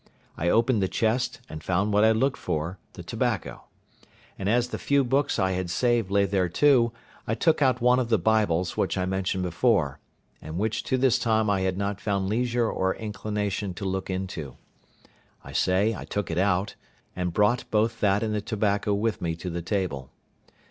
I opened the chest, and found what I looked for, the tobacco; and as the few books I had saved lay there too, I took out one of the Bibles which I mentioned before, and which to this time I had not found leisure or inclination to look into. I say, I took it out, and brought both that and the tobacco with me to the table.